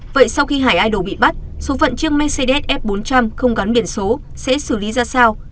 vậy sau khi hải idol bị bắt số vận chiếc mercedes f bốn trăm linh không gắn biển số sẽ xử lý ra sao